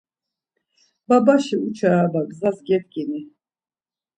Babaşi uça araba gzas gedgini?